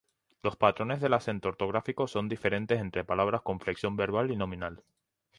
Los patrones del acento ortográfico son diferentes entre palabras con flexión verbal y nominal.